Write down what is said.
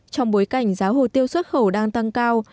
trong bối cảnh giá hồ tiêu xuất khẩu đang tăng cao